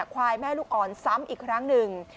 ควายแม่ลูกอ่อนซ้ำอีกครั้งหนึ่ง